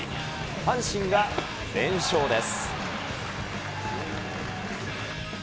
阪神が連勝です。